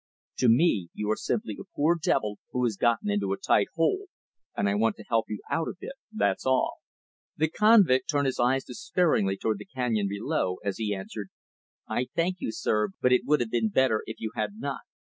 To me, you are simply a poor devil who has gotten into a tight hole, and I want to help you out a bit, that's all." The convict turned his eyes despairingly toward the canyon below, as he answered, "I thank you, sir, but it would have been better if you had not.